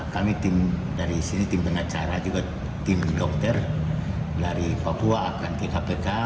kami tim dari sini tim pengacara juga tim dokter dari papua akan ke kpk